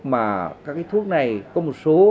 mà các cái thuốc này có một số